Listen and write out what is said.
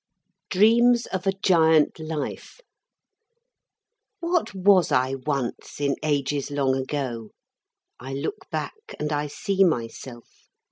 DREAMS OF A GIANT LIFE What was I once in ages long ago? I look back, and I see myself.